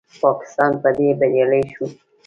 پاکستان په دې بریالی شو